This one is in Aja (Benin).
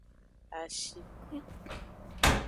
Ashi.